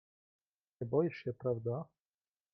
"Nie boisz się, prawda?"